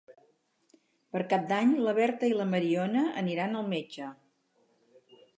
Per Cap d'Any na Berta i na Mariona aniran al metge.